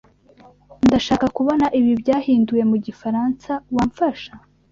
Ndashaka kubona ibi byahinduwe mu gifaransa. Wamfasha?